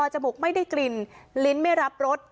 จมูกไม่ได้กลิ่นลิ้นไม่รับรส